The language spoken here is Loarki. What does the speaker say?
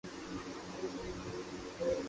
ھون آگي ڪوئي ڪوئي ڪيو